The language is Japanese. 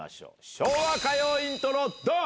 昭和歌謡イントロドン。